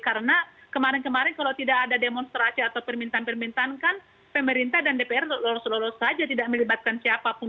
karena kemarin kemarin kalau tidak ada demonstrasi atau permintaan permintaan kan pemerintah dan dpr lolos lolos saja tidak melibatkan siapapun